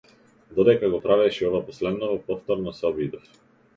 Додека го правеше ова последново, повторно се обидов.